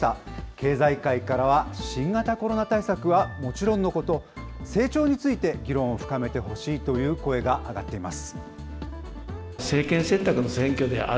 経済界からは、新型コロナ対策はもちろんのこと、成長について、議論を深めてほしいという声が上がっています。